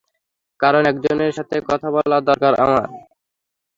কারণ একজনের সাথে কথা বলা দরকার আমার।